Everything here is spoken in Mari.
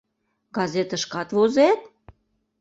— Газетышкат возет?